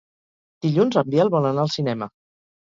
Dilluns en Biel vol anar al cinema.